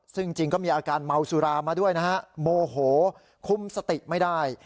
ซึ่งจริงก็มีอาการเมาสุรามาด้วยนะฮะโมโหคุมสติไม่ได้